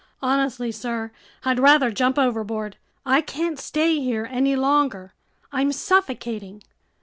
Honestly, sir, I'd rather jump overboard! I can't stay here any longer! I'm suffocating!"